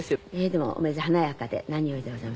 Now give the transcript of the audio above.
でも華やかで何よりでございます。